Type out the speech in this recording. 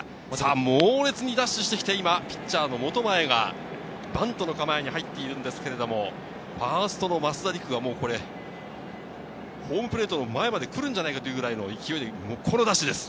猛烈にダッシュしてきてピッチャー・本前がバントの構えに入っているんですけれど、ファースト・増田陸が、ホームプレートの前まで来るんじゃないかという勢い、このダッシュです。